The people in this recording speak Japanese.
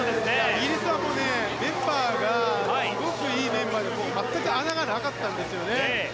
イギリスはもう、メンバーがすごく良くて全く穴がなかったんですよね。